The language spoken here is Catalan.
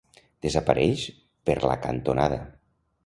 Desapareix per la cantonada.